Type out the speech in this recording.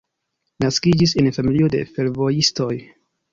Naskiĝis en familio de fervojistoj.